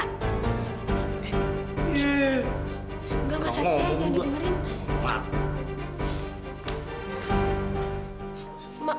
enggak mas satria jangan didengerin